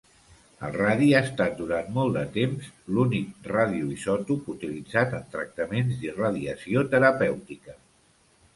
El radi ha estat durant molt de temps l'únic radioisòtop utilitzat en tractaments d'irradiació terapèutica.